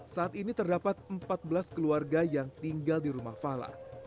saat ini terdapat empat belas keluarga yang tinggal di rumah fala